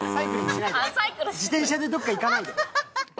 自転車でどっか行かないで。